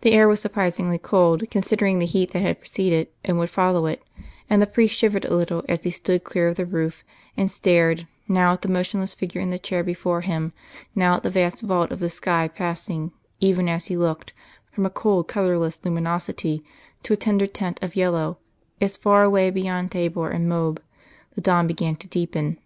The air was surprisingly cold, considering the heat that had preceded and would follow it, and the priest shivered a little as he stood clear of the roof, and stared, now at the motionless figure in the chair before him, now at the vast vault of the sky passing, even as he looked, from a cold colourless luminosity to a tender tint of yellow, as far away beyond Thabor and Moab the dawn began to deepen.